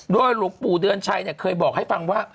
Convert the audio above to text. โดยหลวงปู่เดือนชัยเคยบอกให้ฟังว่า